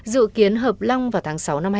dự kiến hợp long vào tháng sáu năm hai nghìn hai mươi